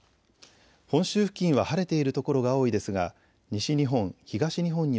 本州付近は晴れている所が多いですが西日本、